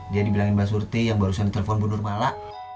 dia dibilangin mbak surti yang barusan ditelepon bu nur mala